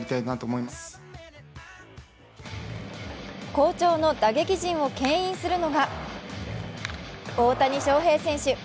好調の打撃陣をけん引するのが大谷翔平選手。